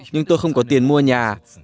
nhưng tôi không có tiền mua nhà